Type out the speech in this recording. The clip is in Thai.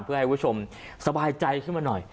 เพื่อให้คุณผู้ชมสบายใจขึ้นมาหน่อย